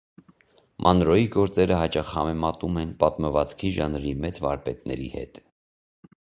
Մանրոյի գործերը հաճախ համեմատում են պատմվածքի ժանրի մեծ վարպետների հետ։